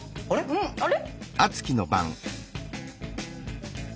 うん。あれ？